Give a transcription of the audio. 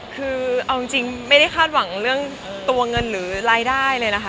คือเอาจริงไม่ได้คาดหวังเรื่องตัวเงินหรือรายได้เลยนะคะ